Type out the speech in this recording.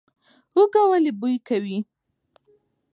هوږه ولې بوی کوي؟